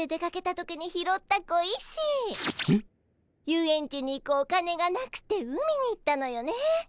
遊園地に行くお金がなくて海に行ったのよね。